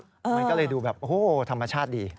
มันก็เลยดูแบบโอ้โหธรรมชาติดี